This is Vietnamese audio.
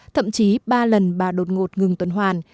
thậm chí ba lần bà đột ngột ngừng tuần hoàn